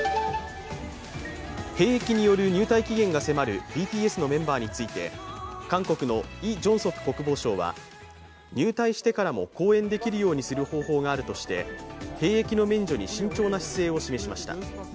兵役による入隊期限が迫るＢＴＳのメンバーについて韓国のイ・ジョンソブ国防相は入隊してからも公演できるようにする方法があるとして兵役の免除に慎重な姿勢を示しました。